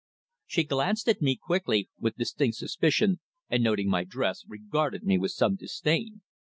She glanced at me quickly, with distinct suspicion, and noting my dress, regarded me with some disdain.